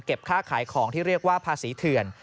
ค่าขายของที่เรียกว่าภาษีเถื่อน